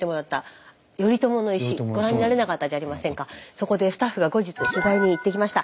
そこでスタッフが後日取材に行ってきました。